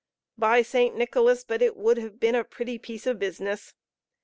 By St. Nicholas, but it would have been a pretty piece of business!